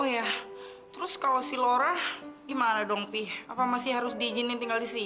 oh ya terus kalo si laura gimana dong opi apa masih harus diizinkan tinggal di sini